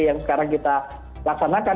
yang sekarang kita laksanakan